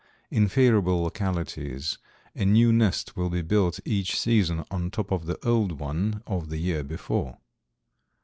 In favorable localities a new nest will be built each season on top of the old one of the year before.